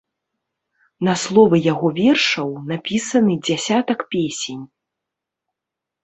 На словы яго вершаў напісаны дзясятак песень.